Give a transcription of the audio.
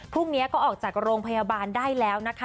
พรุ่งนี้ก็ออกจากโรงพยาบาลได้แล้วนะคะ